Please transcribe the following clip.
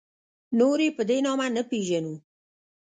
نور یې په دې نامه نه پېژنو.